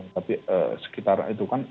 tapi sekitar itu kan